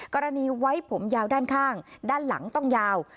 กรณีไว้ผมยาวด้านข้างด้านหลังต้องยาว